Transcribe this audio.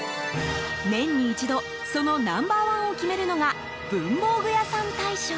年に一度そのナンバーワンを決めるのが文房具屋さん大賞。